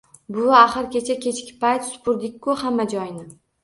Buvi, axir kecha kechki payt supurdik-ku hamma joyni